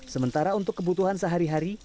sementara untuk kebutuhan sehari hari